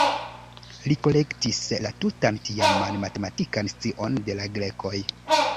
Li kolektis la tutan tiaman matematikan scion de la grekoj.